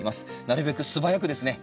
なるべく素早くですね。